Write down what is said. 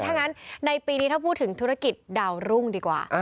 ถ้างั้นในปีนี้ถ้าพูดถึงธุรกิจดาวรุ่งดีกว่า